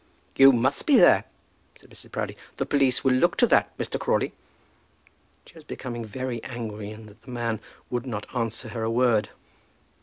"You must be there," said Mrs. Proudie. "The police will look to that, Mr. Crawley." She was becoming very angry in that the man would not answer her a word.